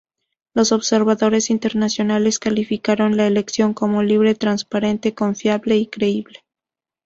Los observadores internacionales calificaron la elección como libre, transparente, confiable y creíble.